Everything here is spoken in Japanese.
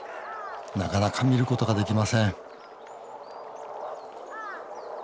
なかなか見ることができません